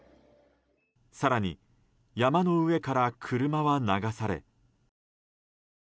更に山の上から車は流され。